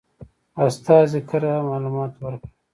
استازي کره اطلاعات ورکړل.